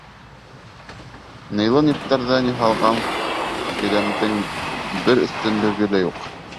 Нейлон ептәрҙән яһалған келәмдең бер өҫтөнлөгө лә юҡ.